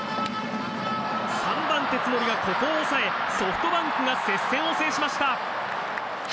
３番手、津森がここを抑えソフトバンクが接戦を制しました。